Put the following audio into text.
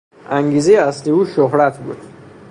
انگیزهی اصلی او شهرت بود.